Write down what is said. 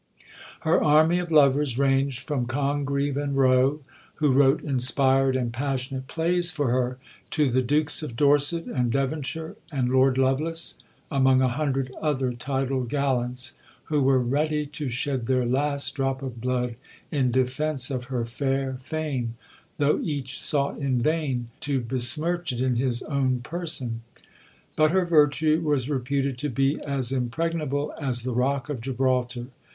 Her army of lovers ranged from Congreve and Rowe, who wrote inspired and passionate plays for her, to the Dukes of Dorset and Devonshire and Lord Lovelace (among a hundred other titled gallants), who were ready to shed their last drop of blood in defence of her fair fame; though each sought in vain to besmirch it in his own person. But her virtue was reputed to be "as impregnable as the rock of Gibraltar."